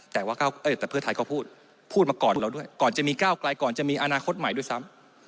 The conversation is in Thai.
แต่เพื่อไทยก็พูดพูดมาก่อนเราด้วยก่อนจะมีก้าวไกลก่อนจะมีอนาคตใหม่ด้วยซ้ำ